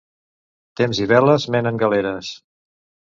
Temps i veles menen galeres.